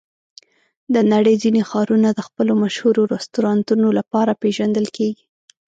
د نړۍ ځینې ښارونه د خپلو مشهور رستورانتونو لپاره پېژندل کېږي.